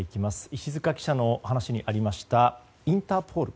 石塚記者の話にありましたインターポール。